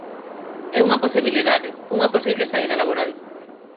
É unha posibilidade, unha posible saída laboral.